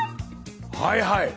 はいはい！